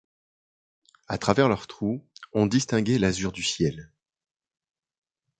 À travers leurs trous, on distinguait l’azur du ciel.